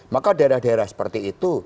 maka daerah daerah seperti itu